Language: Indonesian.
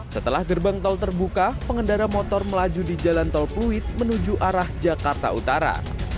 setelah gerbang tol terbuka pengendara motor melaju di jalan tol pluit menuju arah jakarta utara